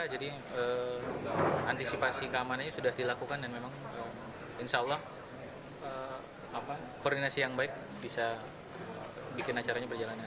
jadi antisipasi keamanannya sudah dilakukan dan memang insya allah koordinasi yang baik bisa bikin acaranya berjalanan